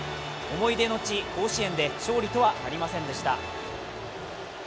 思い出の地・甲子園で勝利とはなりませんでした。